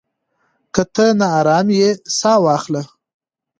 که ته ناارام يې، ساه واخله.